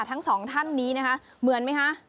ทั้งสองท่านนี้นะคะเหมือนไหมคะ